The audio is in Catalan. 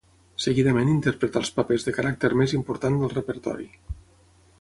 Seguidament interpretà els papers de caràcter més important del repertori.